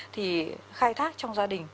thì khai thác trong gia đình